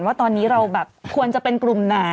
ว่าตอนนี้เราแบบควรจะเป็นกลุ่มไหน